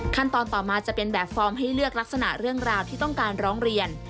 ต่อมาจะเป็นแบบฟอร์มให้เลือกลักษณะเรื่องราวที่ต้องการร้องเรียน